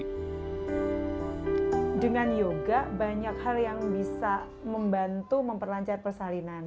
dengan yoga banyak hal yang bisa membantu memperlancar persalinan